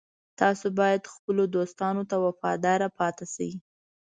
تاسو باید خپلو دوستانو ته وفادار پاتې شئ